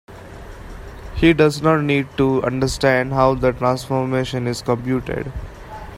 He does not need to understand how the transformation is computed.